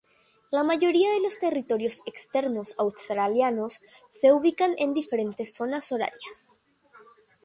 La mayoría de los territorios externos australianos se ubican en diferentes zonas horarias.